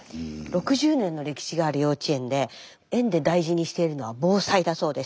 ６０年の歴史がある幼稚園で園で大事にしているのは防災だそうです。